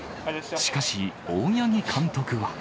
しかし、大八木監督は。